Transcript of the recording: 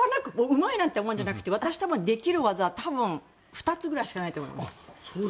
うまいなんて言うものではなくて多分、私、できる技２つくらいしかないと思います。